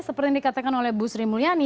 seperti yang dikatakan oleh bu sri mulyani